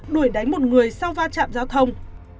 đuổi đánh một người sau va chạm giao thông